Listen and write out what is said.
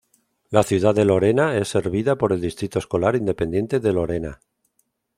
La ciudad de Lorena es servida por el Distrito Escolar Independiente de Lorena.